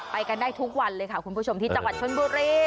ไปกันได้ทุกวันเลยค่ะคุณผู้ชมที่จังหวัดชนบุรี